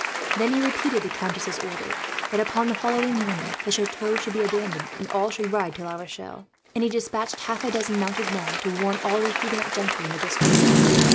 Then he repeated the countess's order that, upon the following morning, the chateau should be abandoned and all should ride to La Rochelle; and he despatched half a dozen mounted men, to warn all the Huguenot gentry in the district.